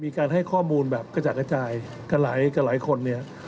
มีการให้ข้อมูลแบบกระจ่ากระจายกับหลายคนเนี่ย